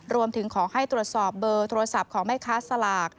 รวมถึงขอให้ตรวจสอบเบอร์โทรศัพท์ของแม่ค้าสลาก